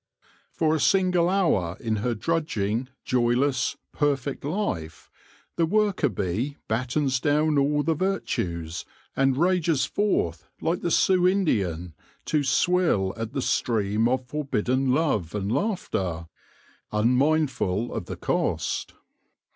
For a single hour in her drudging, joyless, perfect life, the worker bee battens down all the virtues, and rages forth like the Sioux Indian to swill at the stream of forbidden love and laughter, unmindful of the cost.